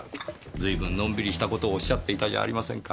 随分のんびりした事をおっしゃっていたじゃありませんか。